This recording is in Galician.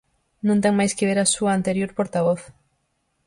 Non ten máis que ver á súa anterior portavoz.